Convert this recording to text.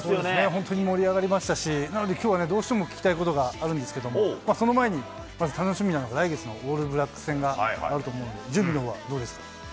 本当に盛り上がりましたし、なのできょうはね、どうしても聞きたいことがあるんですけど、その前に、まず楽しみなのが、来月のオールブラックス戦があると思うんで、準備のほうはどうですか。